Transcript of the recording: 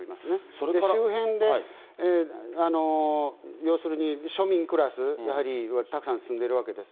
それで周辺で、要するに庶民クラス、やはりたくさん住んでるわけです。